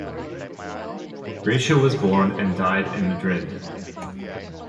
Gracia was born and died in Madrid.